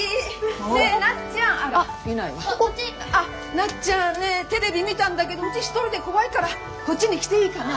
なっちゃんねえテレビ見たんだけどうち一人で怖いからこっちに来ていいかな？